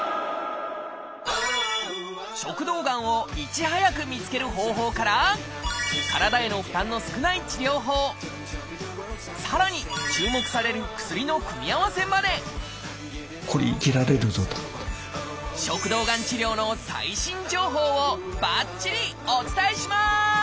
食道がんをいち早く見つける方法から体への負担の少ない治療法さらに注目される薬の組み合わせまで食道がん治療の最新情報をばっちりお伝えします！